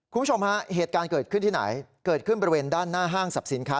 คุณผู้ชมฮะเหตุการณ์เกิดขึ้นที่ไหนเกิดขึ้นบริเวณด้านหน้าห้างสรรพสินค้า